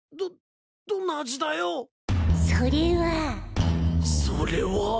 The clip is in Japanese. それは。それは？